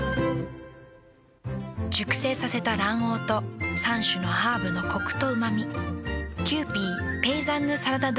熟成させた卵黄と３種のハーブのコクとうま味。